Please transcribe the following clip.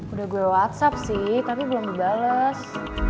udah gue whatsapp sih tapi belum dibales